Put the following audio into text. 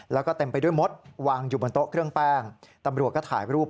แล้วก็เต็มไปด้วยมดวางอยู่บนโต๊ะเครื่องแป้งตำรวจก็ถ่ายรูป